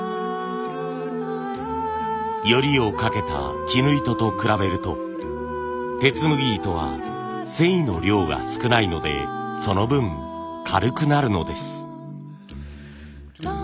撚りをかけた絹糸と比べると手つむぎ糸は繊維の量が少ないのでその分軽くなるのです。